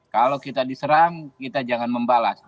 kalau kita diserang kita jangan membalas